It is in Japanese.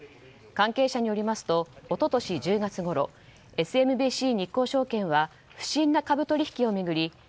関係者によりますと一昨年１０月ごろＳＭＢＣ日興証券は不審な株取引を巡り